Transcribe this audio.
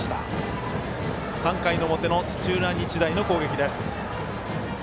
３回の表の土浦日大の攻撃です。